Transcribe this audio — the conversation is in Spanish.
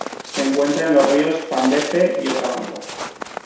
Se encuentra en los ríos Zambeze y Okavango.